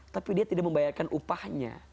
tapi dia tidak membayarkan upahnya